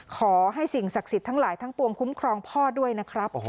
ขอให้สิ่งศักดิ์สิทธิ์ทั้งหลายทั้งปวงคุ้มครองพ่อด้วยนะครับ